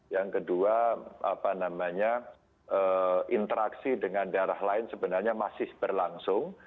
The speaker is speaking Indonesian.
yang kedua interaksi dengan daerah lain sebenarnya masih berlangsung